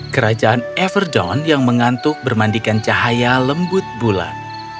kerajaan everjon yang mengantuk bermandikan cahaya lembut bulan